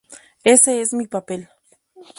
Ese es mi papel.